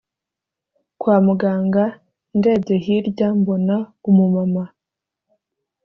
kwa muganga ndebye hirya mbona umumama